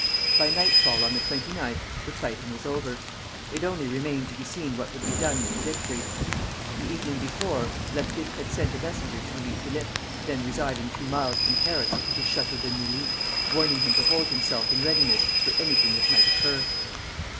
By nightfall on the 29th the fighting was over. It only remained to be seen what would be done with the victory. The evening before, Laffitte had sent a messenger to Louis Philippe, then residing two miles from Paris, at his Château de Neuilly, warning him to hold himself in readiness for anything that might occur.